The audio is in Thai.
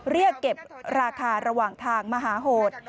เรียกเก็บราคาระหว่างทางมหาโหด